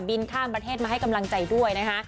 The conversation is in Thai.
ข้ามประเทศมาให้กำลังใจด้วยนะคะ